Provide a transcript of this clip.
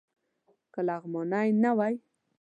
که لغمانی نه وای.